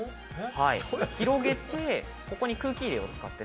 広げてここに空気入れを使って。